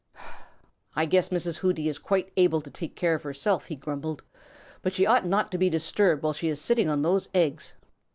"I guess Mrs. Hooty is quite able to take care of herself," he grumbled, "but she ought not to be disturbed while she is sitting on those eggs.